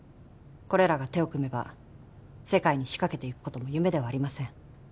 これらが手を組めば世界に仕掛けていくことも夢ではありません